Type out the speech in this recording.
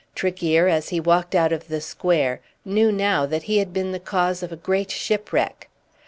Tregear as he walked out of the Square knew now that he had been the cause of a great shipwreck.